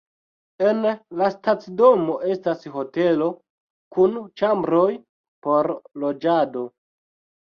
En la stacidomo estas hotelo kun ĉambroj por loĝado.